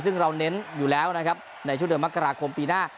ซึ่งเราเน้นอยู่แล้วนะครับในช่วงเดือนมกราคมปีหน้า